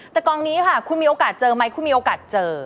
แต่กองนี้ค่ะคุณมีโอกาสเจอไหมคุณมีโอกาสเจอ